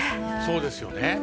そうですよね。